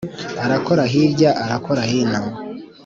arakora hirya arakora hino :